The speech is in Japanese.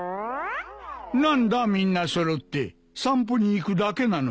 何だみんな揃って散歩に行くだけなのに。